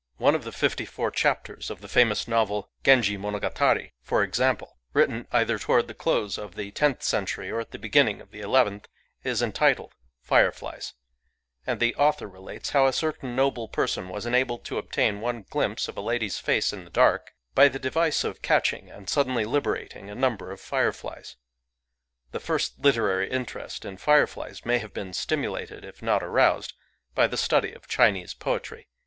One of the fifty four chapters of the famous novel, Genji Monogariy for example, — written either toward the close of the tenth century or at the beginning of the eleventh, — is entitled, " Fireflies "; and the author relates how a certain noble person was enabled to obtain one glimpse of a lady's face in the dark by the device of catching and suddenly liberating a number of fireflies. The first literary interest in fireflies may have been stimulated, if not aroused, by the study of Chinese poetry.